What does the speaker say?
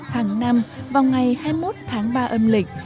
hàng năm vào ngày hai mươi một tháng ba âm lịch